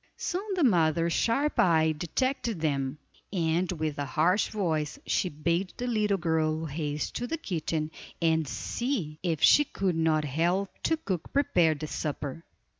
Soon the mother's sharp eye detected them, and with a harsh voice she bade the little girl haste to the kitchen, and see if she could not help the cook prepare the supper.